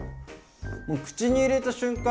もう口に入れた瞬間